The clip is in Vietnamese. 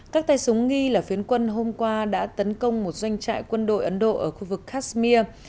các tay súng nghi là phiến quân hôm qua đã tấn công một doanh trại quân đội ấn độ ở khu vực kashmir